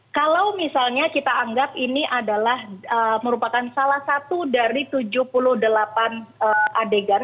kalau misalnya kita anggap ini adalah merupakan salah satu dari tujuh puluh delapan adegan